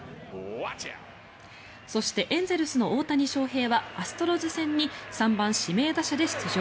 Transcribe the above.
そして、エンゼルスの大谷翔平はアストロズ戦に３番指名打者で出場。